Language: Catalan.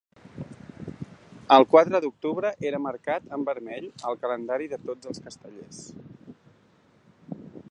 El quatre d’octubre era marcat en vermell al calendari de tots els castellers.